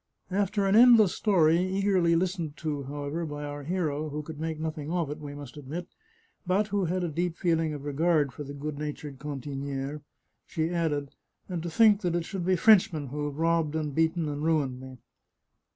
After an endless story, eagerly listened to, however, by our hero, who could make nothing of it, we must admit, but who had a deep feeling of regard for the good natured cantiniere, she added, " And to think that it should be Frenchmen who have robbed, and beaten, and ruined me